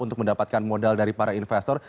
untuk mendapatkan modal dari para investor